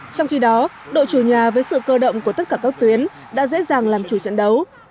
trong khi đó đội chủ nhà với sự cơ động của tất cả các tuyến đã dễ dàng làm chủ trận đấu